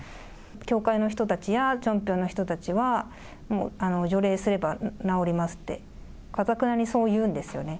教会の人たちやチョンピョンの人たちは、もう除霊すれば治りますって、かたくなにそう言うんですよね。